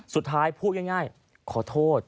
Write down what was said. สุดท้ายพูดง่ายขอโทษ